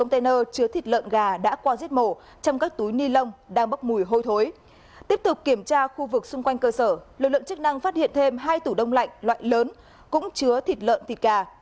trước kiểm tra khu vực xung quanh cơ sở lực lượng chức năng phát hiện thêm hai tủ đông lạnh loại lớn cũng chứa thịt lợn thịt gà